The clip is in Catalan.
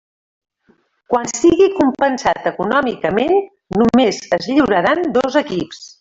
Quan sigui compensat econòmicament només es lliuraran dos equips.